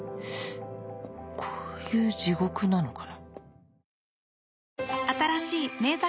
こういう地獄なのかな？